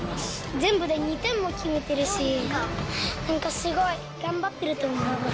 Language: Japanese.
全部で２点も決めてるし、なんか、すごい頑張ってるって思います。